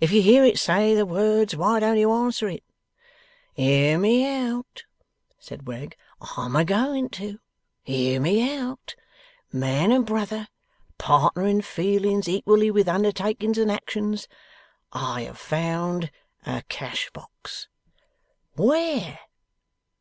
'If you hear it say the words, why don't you answer it?' 'Hear me out!' said Wegg. 'I'm a going to. Hear me out! Man and brother, partner in feelings equally with undertakings and actions, I have found a cash box.' 'Where?